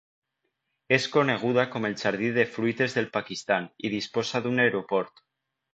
És coneguda com el jardí de fruites del Pakistan i disposa d'un aeroport.